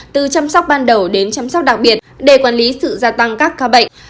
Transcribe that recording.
từ chăm sóc ban đầu đến chăm sóc đặc biệt để quản lý sự gia tăng các ca bệnh